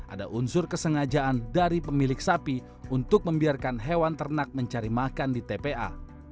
ada unsur kesengajaan dari pemilik sapi untuk membiarkan hewan ternak mencari makan di tpa